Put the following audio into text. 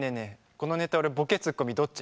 このネタ俺ボケツッコミどっち？